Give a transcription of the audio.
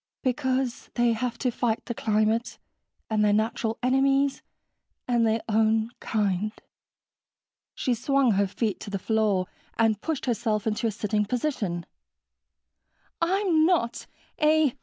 "Because they have to fight the climate ... and their natural enemies ... and their own kind." She swung her feet to the floor and pushed herself into a sitting position. "I'm not a